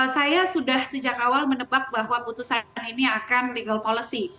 saya sudah sejak awal menebak bahwa putusan ini akan legal policy